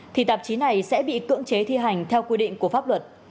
thì tạp chí này sẽ bị cưỡng chế thi hành theo quy định của pháp luật